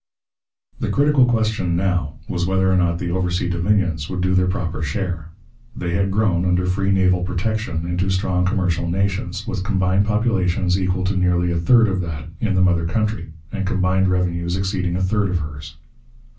The critical question now was whether or not the oversea dominions would do their proper share. They had grown, under free naval protection, into strong commercial nations, with combined populations equal to nearly a third of that in the mother country, and combined revenues exceeding a third of hers.